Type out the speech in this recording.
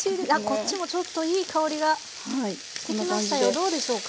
こっちもちょっといい香りがしてきましたよ